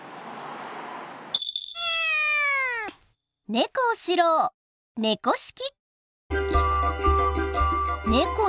ネコを知ろう「猫識」。